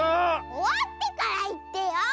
おわってからいってよ！